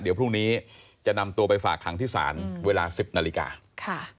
เดี๋ยวพรุ่งนี้จะนำตัวไปฝากขังที่ศาลเวลาสิบนาฬิกาค่ะ